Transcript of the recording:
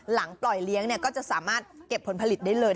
หลังปล่อยเลี้ยงก็จะสามารถเก็บผลผลิตได้เลย